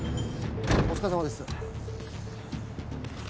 お疲れさまです。